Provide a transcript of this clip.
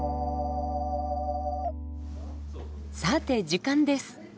さて時間です。